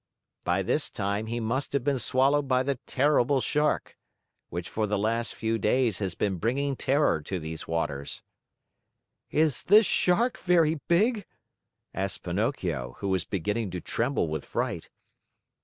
"By this time, he must have been swallowed by the Terrible Shark, which, for the last few days, has been bringing terror to these waters." "Is this Shark very big?" asked Pinocchio, who was beginning to tremble with fright.